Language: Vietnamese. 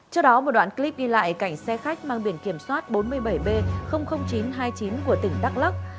trước đó một đoạn clip ghi lại cảnh xe khách mang biển kiểm soát bốn mươi bảy b chín trăm hai mươi chín của tỉnh đắk lắc